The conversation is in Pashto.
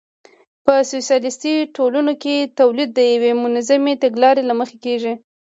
په سوسیالیستي ټولنو کې تولید د یوې منظمې تګلارې له مخې کېږي